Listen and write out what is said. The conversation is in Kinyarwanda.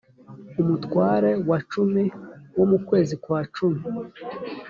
umutware wa cumi wo mu kwezi kwa cumi